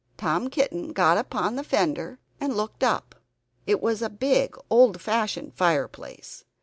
Tom Kitten got upon the fender and looked up. It was a big old fashioned fireplace.